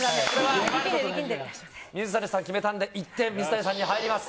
水谷さんが決めたので１点、水谷さんに入ります。